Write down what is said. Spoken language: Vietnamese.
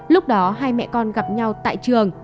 lúc đó hai mẹ con gặp nhau tại trường